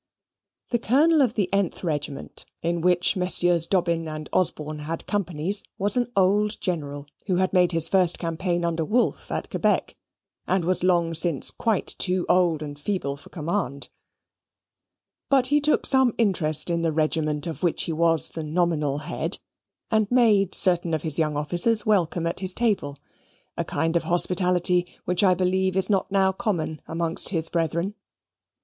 The Colonel of the th regiment, in which Messieurs Dobbin and Osborne had companies, was an old General who had made his first campaign under Wolfe at Quebec, and was long since quite too old and feeble for command; but he took some interest in the regiment of which he was the nominal head, and made certain of his young officers welcome at his table, a kind of hospitality which I believe is not now common amongst his brethren.